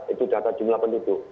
itu data jumlah penduduk